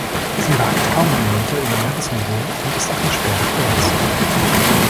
Sie ragt kaum einen Meter über Meeresniveau und ist auch nur spärlich bewachsen.